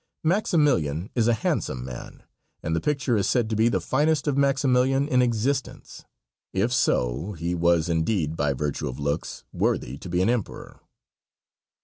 Maximilian is a handsome man, and the picture is said to be the finest of Maximilian in existence. If so, he was indeed, by virtue of looks, worthy to be an emperor.